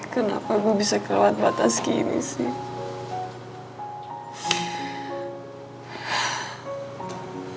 kenapa gue bisa keluar batas kini sih